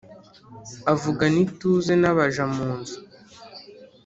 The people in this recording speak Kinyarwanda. Avugana ituze n’abaja mu nzu,